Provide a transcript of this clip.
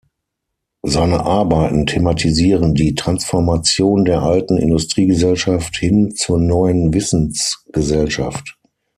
Seine Arbeiten thematisieren die Transformation der alten Industriegesellschaft hin zur neuen Wissensgesellschaft.